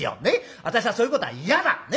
私はそういうことは嫌だ！ね？